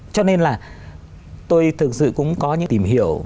cho nên là tôi thực sự cũng có những tìm hiểu